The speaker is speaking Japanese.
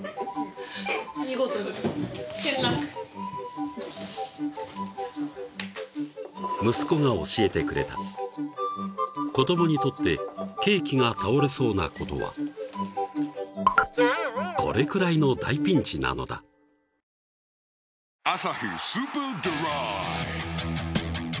見事に転落息子が教えてくれた子どもにとってケーキが倒れそうなことはこれくらいの大ピンチなのだ「アサヒスーパードライ」